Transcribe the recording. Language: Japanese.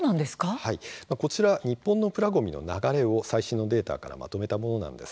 こちら、日本のプラごみの流れを最新のデータからまとめたものです。